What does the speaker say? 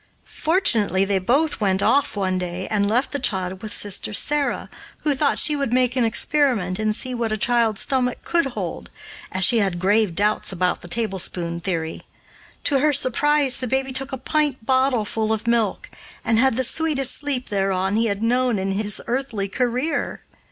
Fortunately, they both went off, one day, and left the child with Sister "Sarah," who thought she would make an experiment and see what a child's stomach could hold, as she had grave doubts about the tablespoonful theory. To her surprise the baby took a pint bottle full of milk, and had the sweetest sleep thereon he had known in his earthly career.